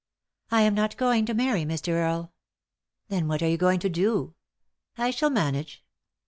" I am not going to marry Mr. Earle." "Then what are you going to do ?"" I shall manage."